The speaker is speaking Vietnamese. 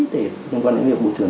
để liên quan đến việc bù thường